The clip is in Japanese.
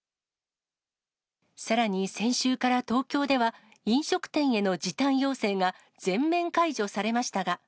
さらに先週から東京では、飲食店への時短要請が全面解除されましたが。